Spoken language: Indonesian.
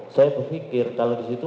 saya berfikir kalau disitu